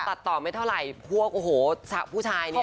ตัดต่อไม่เท่าไหร่พวกผู้ชายเนี่ย